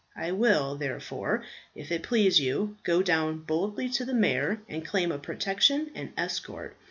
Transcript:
I will therefore, if it please you, go down boldly to the Mayor, and claim a protection and escort.